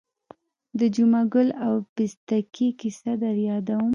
د جمعه ګل او پستکي کیسه در یادوم.